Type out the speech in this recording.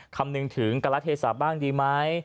คำหนึ่งถึงกรเทศาบ้างดีไหม